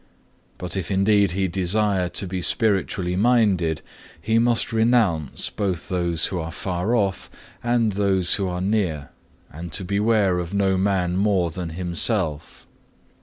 But if indeed he desire to be spiritually minded, he must renounce both those who are far off, and those who are near, and to beware of no man more than himself.